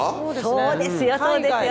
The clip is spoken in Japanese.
そうですよそうですよ。